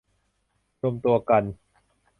รวมตัวกัน